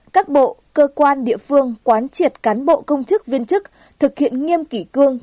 một mươi một các bộ cơ quan địa phương quán triệt cán bộ công chức viên chức thực hiện nghiêm kỷ cương